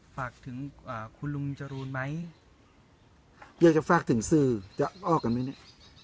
ฝากถึงคุณลุงจรูนไหมอยากจะฝากถึงสื่อจะออกกันไหมเนี่ย